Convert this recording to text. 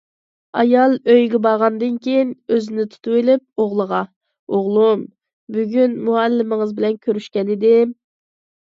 ئايال ئۆيىگە بارغاندىن كېيىن ئۆزىنى تۇتۇۋېلىپ ئوغلىغا: ئوغلۇم بۈگۈن مۇئەللىمىڭىز بىلەن كۆرۈشكەنىدىم.